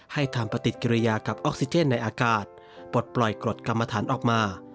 ให้ทำปฏิกิริยากับออกซิเจนในอากาศปลดปล่อยกรดกรรมฐานออกมา